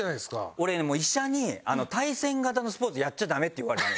俺ねもう医者に対戦型のスポーツやっちゃダメって言われてるの。